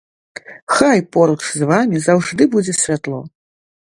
Хай поруч з вамі заўжды будзе святло!